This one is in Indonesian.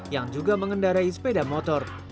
yang juga mengendarai sepeda motor